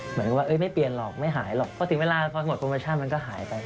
เหมือนกับว่าไม่เปลี่ยนหรอกไม่หายหรอกเพราะถึงเวลาพอหมดโปรโมชั่นมันก็หายไป